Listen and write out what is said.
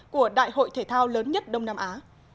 của đại hội thể thao lớn nhất đông nam á